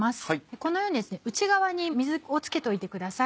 このように内側に水をつけておいてください。